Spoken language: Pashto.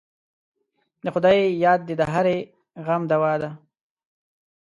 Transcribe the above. د خدای یاد د هرې غم دوا ده.